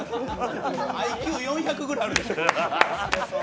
ＩＱ４００ぐらいあるでしょ。